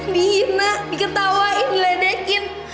dihina diketawain diledekin